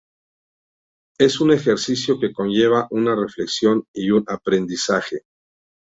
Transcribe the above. Es un ejercicio que conlleva una reflexión y un aprendizaje.